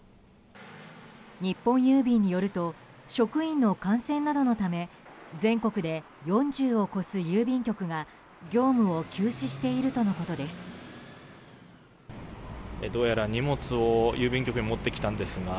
日本郵便によると職員の感染などのため全国で４０を超す郵便局が業務を休止しているとのことです。